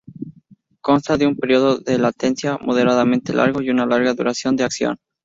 Consta de un periodo de latencia moderadamente largo y una larga duración de acción.